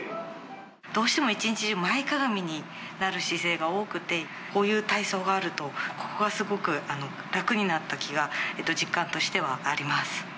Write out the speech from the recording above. どうしても一日中、前かがみになる姿勢が多くて、こういう体操があると、ここがすごく楽になった気が、実感としてはあります。